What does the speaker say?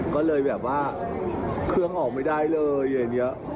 ก็เลยแบบว่าเครื่องออกไม่ได้เลยอย่างนี้